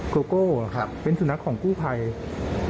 โกโก้เหรอเป็นสุนัขของผู้ใครครับครับ